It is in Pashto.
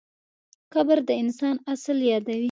قبر د انسان اصل یادوي.